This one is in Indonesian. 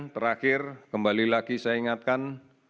terakhir kembali lagi saya ingatkan